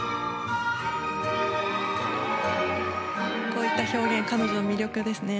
こういった表現彼女の魅力ですね。